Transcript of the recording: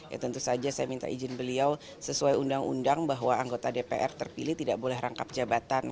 ya tentu saja saya minta izin beliau sesuai undang undang bahwa anggota dpr terpilih tidak boleh rangkap jabatan